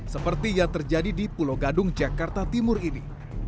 seperti yang terjadi di pulau gadung jakarta timur ini